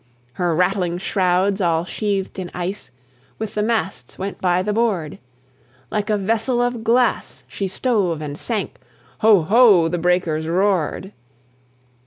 Her rattling shrouds all sheathed in ice, With the masts went by the board; Like a vessel of glass she stove and sank, Ho! ho! the breakers roared!